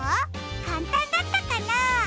かんたんだったかな？